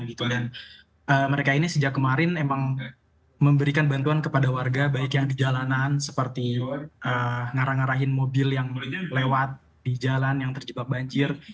dan mereka ini sejak kemarin memang memberikan bantuan kepada warga baik yang di jalanan seperti ngarah ngarahin mobil yang lewat di jalan yang terjebak banjir